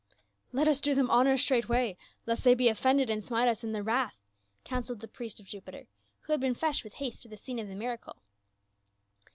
" Let us do them honor straightway, lest they be offended and smite us in their wrath !'' counseled the priest of Jupiter, who had been fetched with haste to the scene of the miracle.